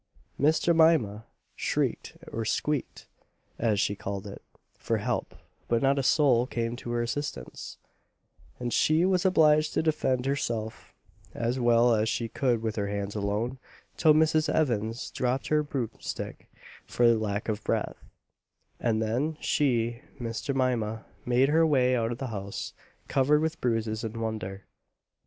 Miss Jemima shrieked or squeeked, as she called it, for help; but not a soul came to her assistance; and she was obliged to defend herself as well as she could with her hands alone, till Mrs. Evans dropped her broomstick for lack of breath; and then she, Miss Jemima, made her way out of the house, covered with bruises and wonder.